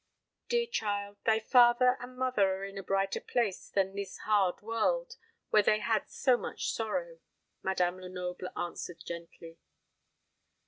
"Dear child, thy father and mother are in a brighter place than this hard world, where they had so much sorrow," Madame Lenoble answered, gently.